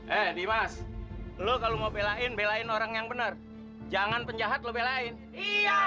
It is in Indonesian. eh dimas lo kalau mau belain belain orang yang benar jangan penjahat lo belain iya